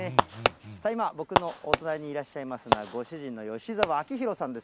さあ、今、僕のお隣にいらっしゃいますのは、ご主人の吉澤明弘さんです。